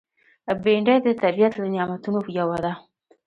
بېنډۍ د طبیعت له نعمتونو یوه ده